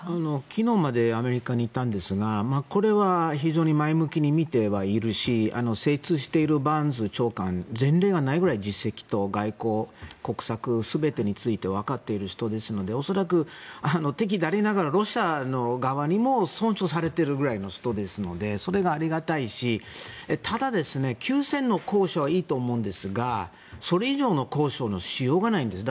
昨日までアメリカにいたんですがこれは非常に前向きに見てはいるし精通しているバーンズ長官前例がないくらい実績と外交国策、全てについてわかっている人ですので恐らく敵でありながらロシア側にも尊重されているくらいの人ですので、それがありがたいしただ、休戦の交渉はいいと思うんですがそれ以上の交渉のしようがないんです。